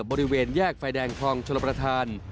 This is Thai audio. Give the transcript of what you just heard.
บริเวณแยกไฟแดงคลองชลประธาน